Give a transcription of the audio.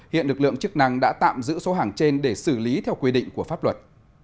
hiện lực lượng chức năng đã tạm giữ số hàng trên để xử lý theo quy định của pháp luật